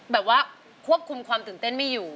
แบบว่าควบคุมความตื่นเต้นไม่อยู่